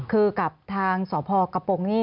คือกับทางสพกระโปรงนี่